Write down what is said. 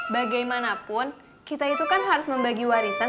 bagaimanapun kita itu kan harus membagi warisan